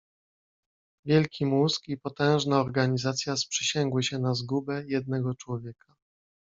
"Wielki mózg i potężna organizacja sprzysięgły się na zgubę jednego człowieka."